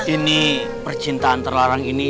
ini percintaan terlarang ini